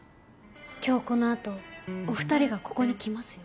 今日このあとお２人がここに来ますよ。